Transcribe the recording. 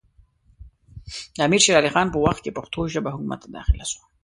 د امیر شېر علي خان په وخت کې پښتو ژبه حکومت ته داخله سوه